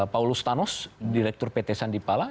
paulus thanos direktur pt sandipala